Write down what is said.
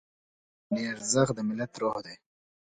ملي ارزښت د ملت روح دی.